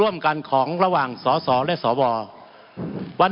มันมีมาต่อเนื่องมีเหตุการณ์ที่ไม่เคยเกิดขึ้น